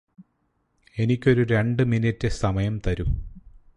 എനിക്കൊരു രണ്ടു മിനിറ്റ് സമയം തരൂ